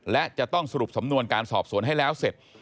และจะต้องสรุปสำนวนการสอบสวนให้แล้วเสร็จ